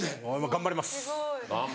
頑張ります。